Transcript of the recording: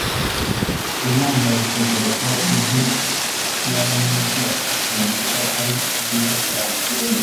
"Imana yitegereza ibyo yaremye byose ibona ko ari byiza cyane."